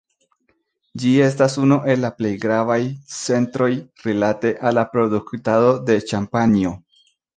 Ĝi estas unu el la plej gravaj centroj rilate al la produktado de ĉampanjo.